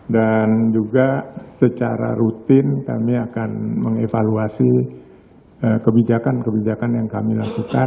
dan juga secara rutin kami akan mengevaluasi kebijakan kebijakan yang kami lakukan